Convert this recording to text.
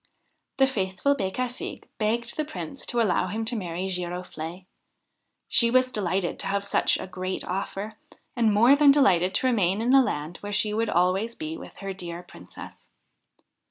The faithful Becafigue begged the Prince to allow him to marry Giroflee. She was delighted to have such a great offer, and more than delighted to remain in a land where she would always be with her dear Princess.